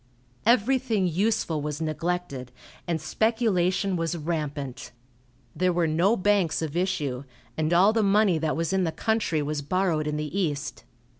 Everything useful was neglected, and speculation was rampant. There were no banks of issue, and all the money that was in the country was borrowed in the East.